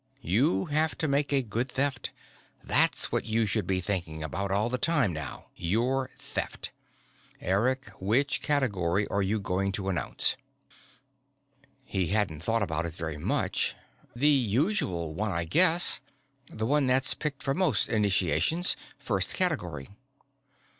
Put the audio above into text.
You have to make a good Theft. That's what you should be thinking about all the time now your Theft. Eric, which category are you going to announce?" He hadn't thought about it very much. "The usual one I guess. The one that's picked for most initiations. First category."